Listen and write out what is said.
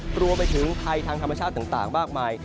รวมไปถึงภัยทางธรรมชาติต่างมากมาย